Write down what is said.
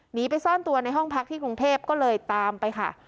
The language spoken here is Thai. หนีไปซ่อนตัวในห้องพักที่กรุงเทพก็เลยตามไปค่ะ